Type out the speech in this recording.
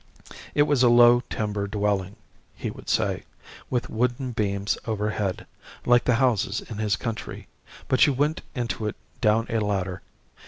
It was a low timber dwelling he would say with wooden beams overhead, like the houses in his country, but you went into it down a ladder.